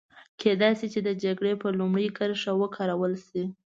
کېدای شي چې د جګړې په لومړۍ کرښه وکارول شي.